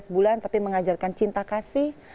sebelas bulan tapi mengajarkan cinta kasih